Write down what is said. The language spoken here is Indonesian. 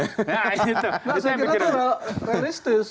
nah saya kira itu realistis